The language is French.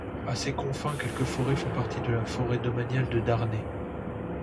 À ses confins, quelques forêts font partie de la forêt domaniale de Darney.